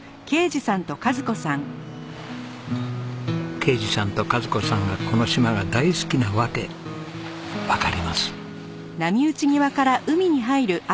啓二さんと賀津子さんがこの島が大好きな訳わかります。